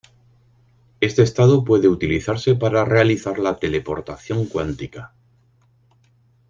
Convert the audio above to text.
Este estado puede utilizarse para realizar la teleportación cuántica.